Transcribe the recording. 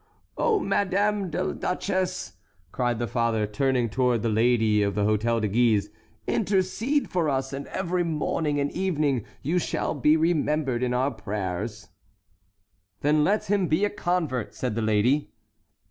"Oh, Madame la Duchesse!" cried the father, turning toward the lady at the Hôtel de Guise, "intercede for us, and every morning and evening you shall be remembered in our prayers." "Then let him be a convert," said the lady.